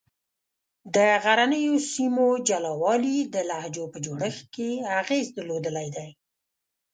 د غرنیو سیمو جلا والي د لهجو په جوړښت کې اغېز درلودلی دی.